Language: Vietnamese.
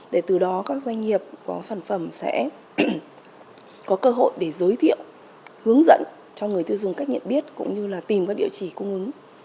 để từ đó các doanh nghiệp có sản phẩm sẽ có cơ hội để giới thiệu hướng dẫn cho người tiêu dùng cách nhận biết cũng như là tìm các địa chỉ cung ứng